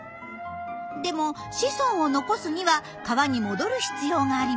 でも子孫を残すには川に戻る必要があります。